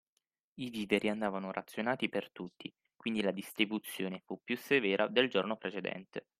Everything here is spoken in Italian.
I viveri andavano razionati per tutti, quindi la distribuzione fu più severa del giorno precedente.